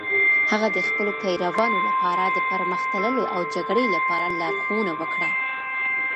هغه د خپلو پیروانو لپاره د پرمخ تللو او جګړې لپاره لارښوونه وکړه.